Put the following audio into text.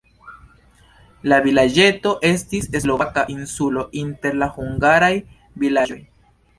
La vilaĝeto estis slovaka insulo inter la hungaraj vilaĝoj.